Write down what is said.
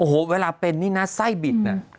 โอ้โหเวลาเป็นนี่นะไส้บิดน่ะ